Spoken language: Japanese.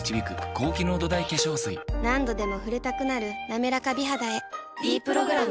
何度でも触れたくなる「なめらか美肌」へ「ｄプログラム」